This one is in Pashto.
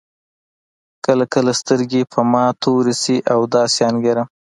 کله کله سترګې په ما تورې شي او داسې انګېرم.